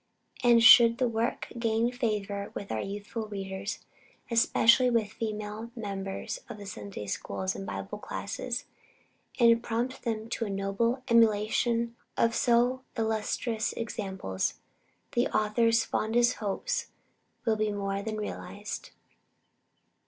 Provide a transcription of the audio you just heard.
And should the work gain favor with our youthful readers, especially with female members of Sunday schools and Bible classes, and prompt them to a noble emulation of so illustrious examples, the author's fondest hopes will be more than realized.